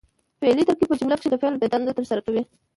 فعلي ترکیب په جمله کښي د فعل دنده ترسره کوي.